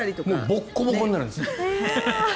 ボコボコになるんです。